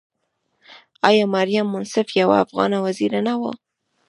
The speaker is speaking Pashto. آیا مریم منصف یوه افغانه وزیره نه وه؟